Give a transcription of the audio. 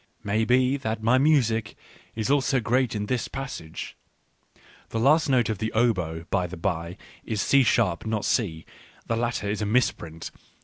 Maybe that my music is also great in this passage. (The last note of the oboe, by the bye, is C sharp, not C. The latter is a misprint.)